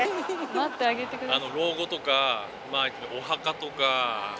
待ってあげて下さい。